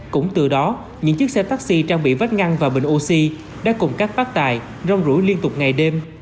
cũng từ đó những chiếc xe taxi trang bị vách ngăn và bình oxy đã cùng các phát tài rong rủi liên tục ngày đêm